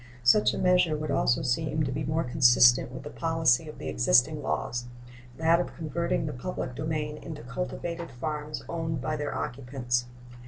Such a measure would also seem to be more consistent with the policy of the existing laws that of converting the public domain into cultivated farms owned by their occupants.